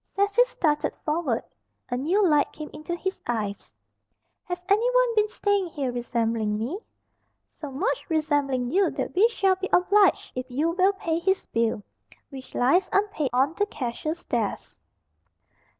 Cecil started forward. A new light came into his eyes. "Has anyone been staying here resembling me?" "So much resembling you that we shall be obliged if you will pay his bill, which lies, unpaid, on the cashier's desk."